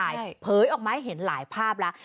ทำร้ายร่างกายเผยออกมาให้เห็นหลายภาพแล้ว